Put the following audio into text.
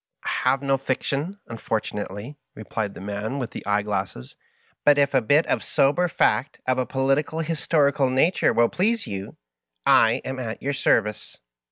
'' I have no fiction, unfortunately," replied the man with the eyeglasses^ *^ but if a bit of sober fact of a political historical nature will please you, I am at your service."